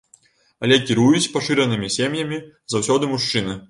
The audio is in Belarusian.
Але кіруюць пашыранымі сем'ямі заўсёды мужчыны.